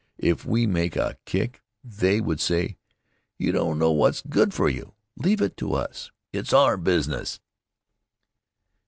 If we make a kick, they would say: "You don't know what's good for you. Leave it to us. It's our business."